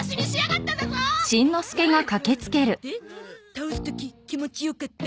倒す時気持ちよかった？